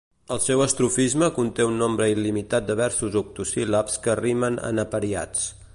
El seu estrofisme conté un nombre il·limitat de versos octosíl·labs que rimen en apariats.